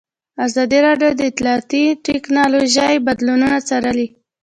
ازادي راډیو د اطلاعاتی تکنالوژي بدلونونه څارلي.